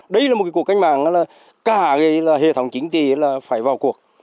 đây là một cái cuộc cách mạng là cả cái hệ thống chính trị là phải vào cuộc